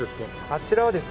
あちらはですね